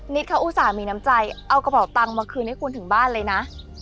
เขาอุตส่าห์มีน้ำใจเอากระเป๋าตังค์มาคืนให้คุณถึงบ้านเลยนะ